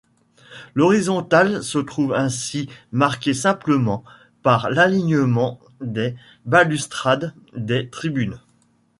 L'horizontale se trouve ainsi marquée simplement par l'alignement des balustrades des tribunes.